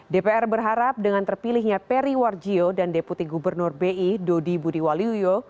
dpr berharap dengan terpilihnya peri warjio dan deputi gubernur bi dodi budiwaluyo